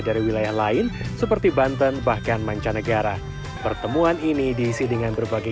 dari wilayah lain seperti banten bahkan mancanegara pertemuan ini diisi dengan berbagai